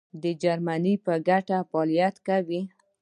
د جرمني په ګټه یې فعالیت کاوه.